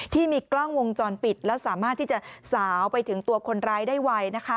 ที่มีกล้องวงจรปิดแล้วสามารถที่จะสาวไปถึงตัวคนร้ายได้ไวนะคะ